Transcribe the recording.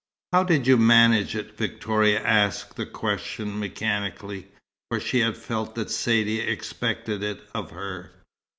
"How did you manage it?" Victoria asked the question mechanically, for she felt that Saidee expected it of her.